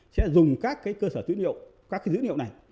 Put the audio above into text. sẽ dùng các cơ sở dữ liệu các dữ liệu này